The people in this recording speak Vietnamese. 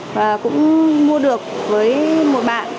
và cũng mua được với một bạn